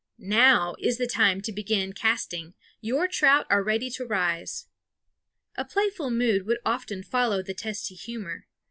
Now is the time to begin casting; your trout are ready to rise. A playful mood would often follow the testy humor.